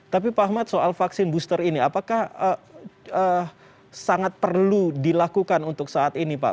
tapi pak ahmad soal vaksin booster ini apakah sangat perlu dilakukan untuk saat ini pak